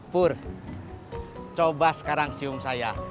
pur coba sekarang sium saya